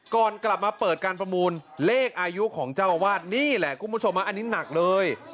ก่อนกลับมาเปิดการประมูลเลขอายุของเจ้าอาวาสนี่แหละคุณผู้ชมอันนี้หนักเลย